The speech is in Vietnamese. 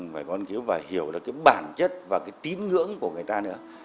phải có nghiên cứu và hiểu được cái bản chất và cái tín ngưỡng của người ta nữa